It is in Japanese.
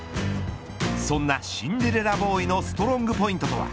そんなシンデレラボーイのストロングポイントとは。